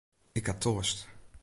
Ik ha toarst.